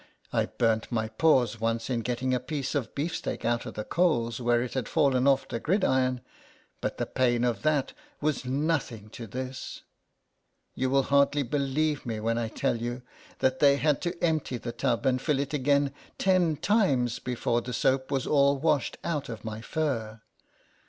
I burnt my paws once in getting a piece of beefsteak out of the coals where it had fallen off the gridiron, but the pain of that was . nothing to this/ You will hardly bejieve me when I tell you that they had to empty the tub and LETTERS FROM A CAT. 71 fill it again ten times before the soap was all washed out of my fur.